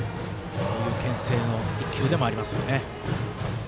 そういうけん制の１球でもありますよね。